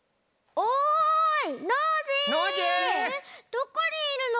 どこにいるの？